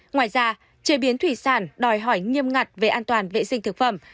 ngoài ra chế biến thủy sản đòi hỏi nghiêm ngặt về an toàn vệ sinh thực phẩm